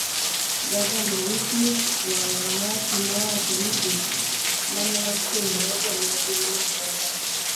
Gavana Wycliffe wangamati nowacho ni gik manotimrego ne gin makosa